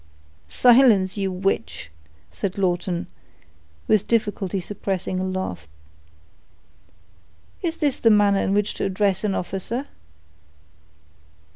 "Silence, you witch!" said Lawton, with difficulty suppressing a laugh. "Is this the manner in which to address an officer?"